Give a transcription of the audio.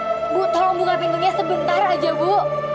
ibu tolong buka pintunya sebentar aja bu